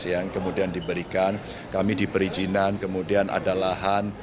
yang kemudian diberikan kami diberi jinan kemudian ada lahan